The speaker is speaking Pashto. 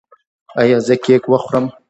ایا زه کیک وخورم؟